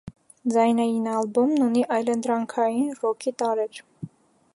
Ձայնային ալբոմն ունի այլընտրանքային ռոքի տարրեր։